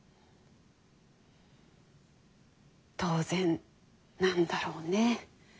当然なんだろうね。